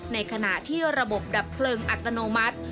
ในขณะที่ระบบดับเพลิงอัตโนมัติ